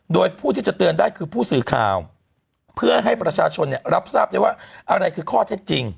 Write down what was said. โดยผู้ที่จะเตือนได้คือผู้สื่อข่าวเพื่อให้ประชาชนเนี่ยรับทราบได้ว่าอะไรคือข้อเท็จจริง